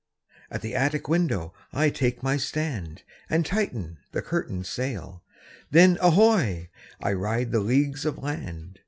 At the attic window I take my stand. And tighten the curtain sail, Then, ahoy! I ride the leagues of land.